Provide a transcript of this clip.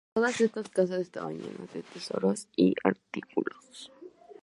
Todas estas casas estaban llenas de tesoros y artilugios.